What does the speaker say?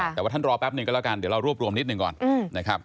แต่ว่าท่านรอแป๊บหนึ่งก็แล้วกันเดี๋ยวเรารวบรวมนิดหนึ่งก่อนนะครับ